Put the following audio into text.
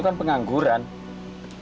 kamu penggubur willyim bigd vijaya